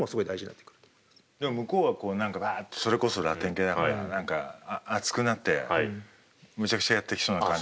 でも向こうは何かワッとそれこそラテン系だから熱くなってむちゃくちゃやってきそうな感じですよね。